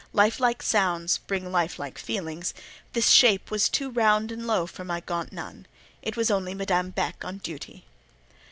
Life like sounds bring life like feelings: this shape was too round and low for my gaunt nun: it was only Madame Beck on duty.